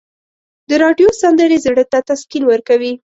د راډیو سندرې زړه ته تسکین ورکوي.